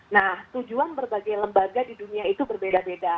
nah tujuan berbagai lembaga di dunia itu berbeda beda